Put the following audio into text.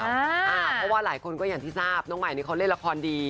เพราะว่าหลายคนก็อย่างที่ทราบน้องใหม่นี่เขาเล่นละครดี